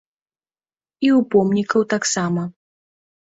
І ў помнікаў таксама.